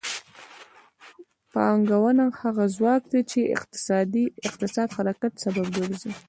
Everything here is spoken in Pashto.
پانګونه هغه ځواک دی چې د اقتصاد د حرکت سبب ګرځي.